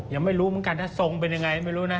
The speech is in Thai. ยังไม่รู้เหมือนกันนะทรงเป็นยังไงไม่รู้นะ